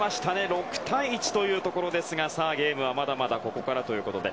６対１というところですがゲームはまだまだここからということで。